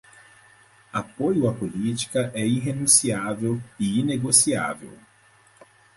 Apoio à política é irrenunciável e inegociável